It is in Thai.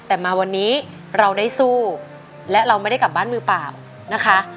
แต่มาวันนี้เราได้สู้และเราไม่ได้กลับบ้านมือเปล่านะคะ